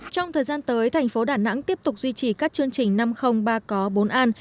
trong thời gian tới thành phố đà nẵng tiếp tục duy trì các chương trình năm ba có bốn ăn